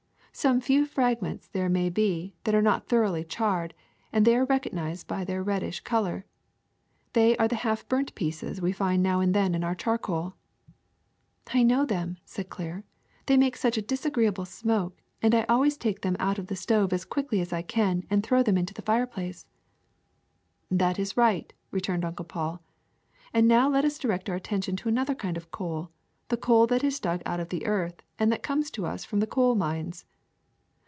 Some few fragments there may be that are not thoroughly charred, and they are recognized by their reddish color. They are the half burnt pieces we find now and then in our charcoal." ^'I know them," said Claire, ^Hhey make such a disagreeable smoke; and I always take them out of the stove as quickly as I can and throw them into the fireplace." '' That is right, '' returned Uncle Paul. '' And now let us direct our attention to another kind of coal, the coal that is dug out of the earth and that comes to us from the coal mines.